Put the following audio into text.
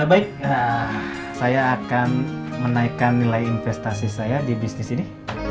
ya baik saya akan menaikkan nilai investasi saya di bisnis ini